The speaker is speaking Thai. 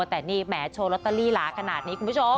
แต่นี่แหมโชว์ลอตเตอรี่หลาขนาดนี้คุณผู้ชม